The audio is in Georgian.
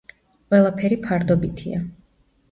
ყველაფერი ფარდობითია.